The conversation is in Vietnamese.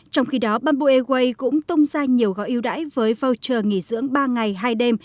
trong khi đó bamboo airways cũng tung ra nhiều gói yêu đáy với voucher nghỉ dưỡng ba ngày hai đêm